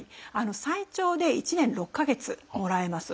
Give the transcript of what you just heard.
最長で１年６か月もらえます。